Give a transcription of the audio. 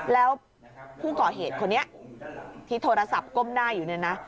แล้วผู้ก่อเหตุคนนี้ที่โทรศัพท์ก้มหน้าอยู่เนี่ยนะ